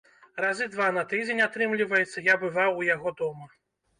Разы два на тыдзень, атрымліваецца, я бываў у яго дома.